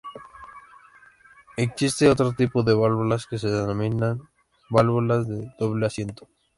Existe otro tipo de válvulas que se denominan válvulas de doble asiento.